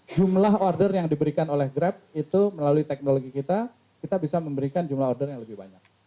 jumlah order yang diberikan oleh grab itu melalui teknologi kita kita bisa memberikan jumlah order yang lebih banyak